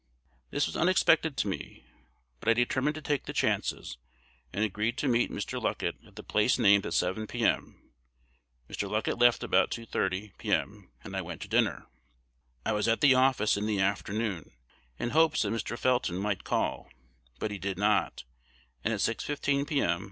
"This was unexpected to me; but I determined to take the chances, and agreed to meet Mr. Luckett at the place named at 7, p.m. Mr. Luckett left about 2.30, p.m.; and I went to dinner. "I was at the office in the afternoon in hopes that Mr. Felton might call, but he did not; and at 6.15, p.m.